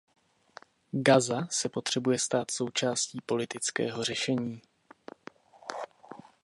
Gaza se potřebuje stát součástí politického řešení.